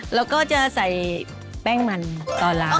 แล้วก็จะใส่แป้งมันตอนล้าง